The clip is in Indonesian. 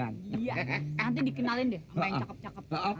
nanti dikenalin deh sama yang cakep cakep